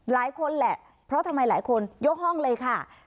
หลายคนแหละเพราะทำไมหลายคนยกห้องเลยค่ะ